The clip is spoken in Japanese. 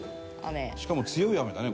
しかも強い雨だね